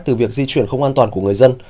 từ việc di chuyển không an toàn của người dân